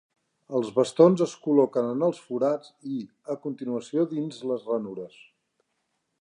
Els bastons es col·loquen en els forats i, a continuació dins les ranures.